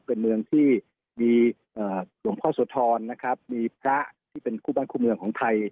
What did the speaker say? เป็นเมืองที่มีหลวงพ่อโสธรนะครับมีพระที่เป็นคู่บ้านคู่เมืองของไทย